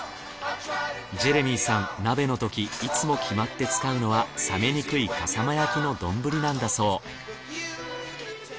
ジェレミーさん鍋のときいつも決まって使うのは冷めにくい笠間焼の丼なんだそう。